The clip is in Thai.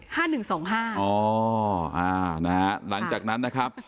อ๋ออ่านะฮะหลังจากนั้นนะครับ